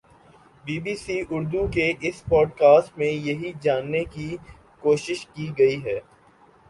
be B C Urdu کی اس podcast میں یہی جاننے کی کوشش کی گئی ہے